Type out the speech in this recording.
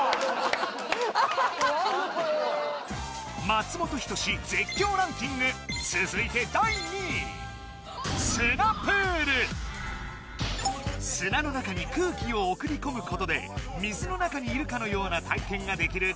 松本人志絶叫ランキング続いて第２位砂の中に空気を送り込むことで水の中にいるかのような体験ができる